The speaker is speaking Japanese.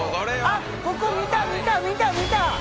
あっここ見た見た見た見た！